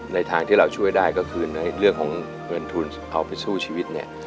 ทางที่เราช่วยได้ก็คือในเรื่องของเงินทุนเอาไปสู้ชีวิตเนี่ย